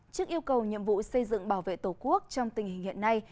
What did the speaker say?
trước yêu cầu nhiệm vụ xây dựng bảo vệ tổ quốc trong tình hình hiện nay